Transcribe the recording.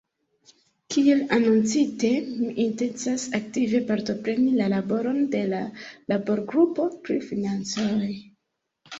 Kiel anoncite, mi intencas aktive partopreni la laboron de la laborgrupo pri financoj.